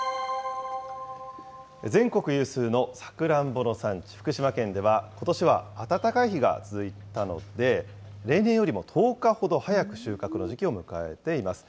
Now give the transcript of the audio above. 全国有数のサクランボの産地、福島県では、ことしは暖かい日が続いたので、例年よりも１０日ほど早く収穫の時期を迎えています。